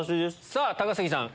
さぁ高杉さん